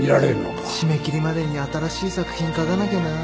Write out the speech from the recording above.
締め切りまでに新しい作品書かなきゃな。